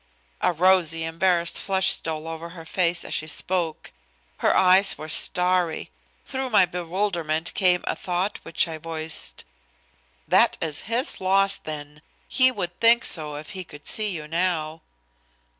A rosy embarrassed flush stole over her face as she spoke. Her eyes were starry. Through my bewilderment came a thought which I voiced. "That is his loss then. He would think so if he could see you now."